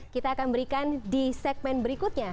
kita akan berikan di segmen berikutnya